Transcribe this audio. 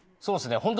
そうですね